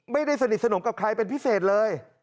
ไม่ได้สนิทสนมกับใครเป็นพิเศษเลย